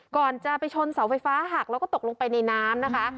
ก่อนจะไปชนเสาไฟฟ้าหักแล้วก็ตกลงไปในน้ำนะคะ